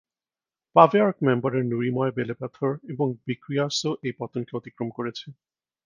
পাভে Ark মেম্বারের নুড়িময় বেলেপাথর এবং ব্রিকিয়াসও এই পতনকে অতিক্রম করেছে।